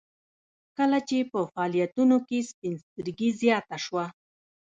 کله چې په فعاليتونو کې سپين سترګي زياته شوه.